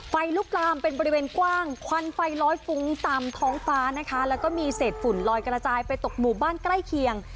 ไฟลุกลามเป็นบริเวณกว้างควันไฟลอยฟุ้งตามท้องฟ้านะคะแล้วก็มีเศษฝุ่นลอยกระจายไปตกหมู่บ้านใกล้เคียง